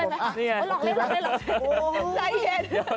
สวัสดีครับสวัสดีครับ